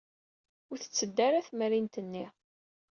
Ur tetteddu ara temrint-nni.